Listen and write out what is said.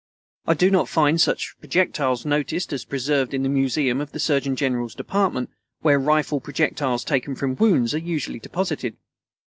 I do not find such projectiles noticed as preserved in the museum of the Surgeon General's Department, where rifle projectiles taken from wounds are usually deposited.